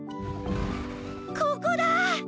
ここだ！